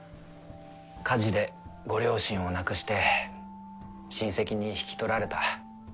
火事でご両親を亡くして親戚に引き取られた。